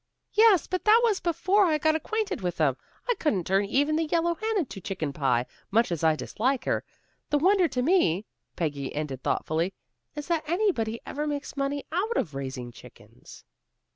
"Yes, but that was before I got acquainted with them. I couldn't turn even the yellow hen into chicken pie, much as I dislike her. The wonder to me," Peggy ended thoughtfully, "is that anybody ever makes money out of raising chickens."